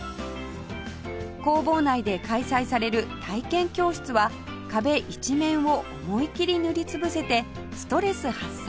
工房内で開催される体験教室は壁一面を思い切り塗り潰せてストレス発散にもなるそうです